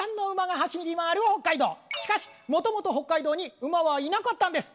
しかしもともと北海道に馬はいなかったんです。